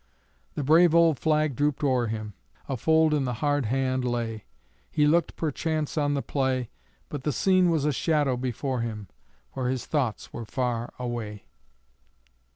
The brave old flag drooped o'er him, A fold in the hard hand lay; He looked perchance on the play, But the scene was a shadow before him, For his thoughts were far away.